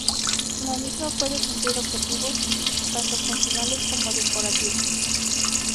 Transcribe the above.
La misma puede cumplir objetivos tanto funcionales como decorativos.